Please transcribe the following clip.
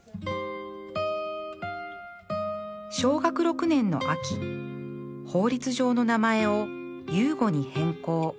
小学６年の秋法律上の名前を「悠悟」に変更